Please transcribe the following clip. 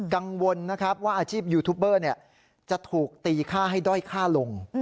กังวลนะครับว่าอาชีพยูทูบเบอร์จะถูกตีค่าให้ด้อยค่าลง